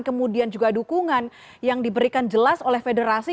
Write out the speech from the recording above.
kemudian juga dukungan yang diberikan jelas oleh federasi